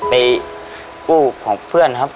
ไปกู้ของเพื่อนครับ